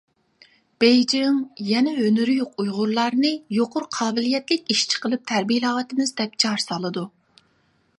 بېجىڭ يەنە ھۈنىرى يوق ئۇيغۇرلارنى يۇقىرى قابىلىيەتلىك ئىشچى قىلىپ تەربىيەلەۋاتىمىز دەپ جار سالىدۇ.